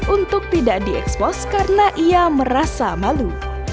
untuk tidak diekspos karena ia merasa malu